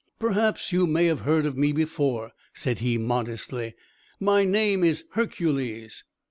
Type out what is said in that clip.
"Perhaps you may have heard of me before," said he, modestly. "My name is Hercules!"